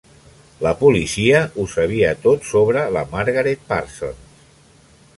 La policia ho sabia tot sobre la Margaret Parsons.